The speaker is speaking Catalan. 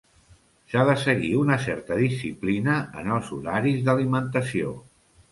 S'ha de seguir una certa disciplina en els horaris d'alimentació.